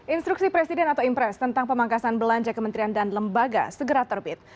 instruksi presiden atau impres tentang pemangkasan belanja kementerian dan lembaga segera terbit